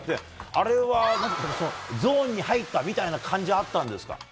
あれはまず、そのゾーンに入ったみたいな感じあったんですか。